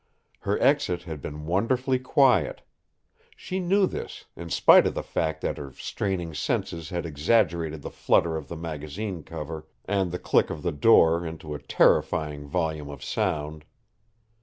Her exit had been wonderfully quiet. She knew this, in spite of the fact that her straining senses had exaggerated the flutter of the magazine cover and the click of the door into a terrifying volume of sound.